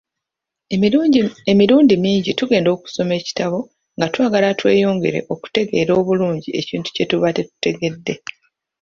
Emirundi mingi tugenda okusoma ekitabo nga twagala tweyongere okutegeera obulungi ekintu kye tuba tetutegedde.